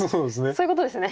そういうことですね。